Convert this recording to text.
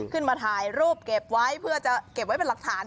ขึ้นมาถ่ายรูปเก็บไว้เพื่อจะเก็บไว้เป็นหลักฐาน